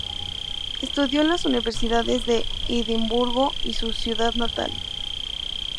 Estudió en las universidades de Edimburgo y su ciudad natal.